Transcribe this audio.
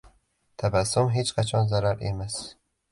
• Tabassum hech qachon zarar emas.